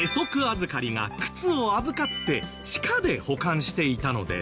預かりが靴を預かって地下で保管していたのです。